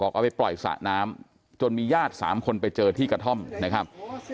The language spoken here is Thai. เอาไปปล่อยสระน้ำจนมีญาติ๓คนไปเจอที่กระท่อมนะครับ